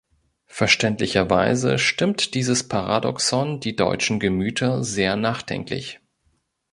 Verständlicherweise stimmt dieses Paradoxon die deutschen Gemüter sehr nachdenklich.